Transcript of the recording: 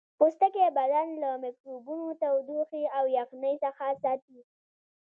پوستکی بدن له میکروبونو تودوخې او یخنۍ څخه ساتي